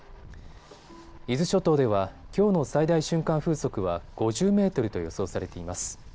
伊豆諸島では、きょうの最大瞬間風速は５０メートルと予想されています。